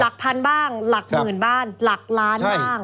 หลักพันบ้างหลักหมื่นบ้างหลักล้านบ้าง